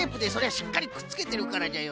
しっかりくっつけてるからじゃよ。